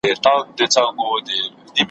په یوه خېز د کوهي سرته سو پورته `